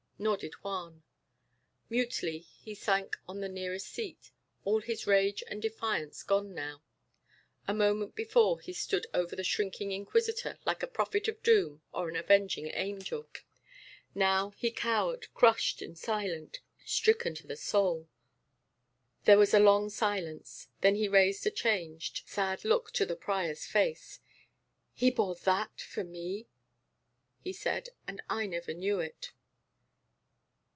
Nor did Juan. Mutely he sank on the nearest seat, all his rage and defiance gone now. A moment before he stood over the shrinking Inquisitor like a prophet of doom or an avenging angel; now he cowered crushed and silent, stricken to the soul. There was a long silence. Then he raised a changed, sad look to the prior's face. "He bore that for me," he said, "and I never knew it."